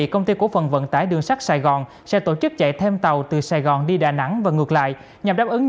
công ty khổ phần vận tải đường sắt sài gòn